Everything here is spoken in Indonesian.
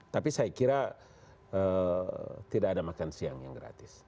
tapi saya kira tidak ada makan siang yang gratis